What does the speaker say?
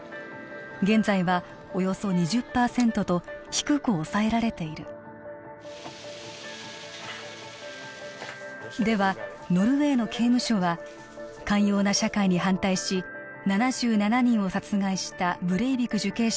現在はおよそ２０％と低く抑えられているではノルウェーの刑務所は寛容な社会に反対し７７人を殺害したブレイビク受刑者を変えることができたのだろうか？